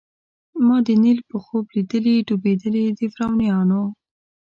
ما د نیل په خوب لیدلي ډوبېدل د فرعونانو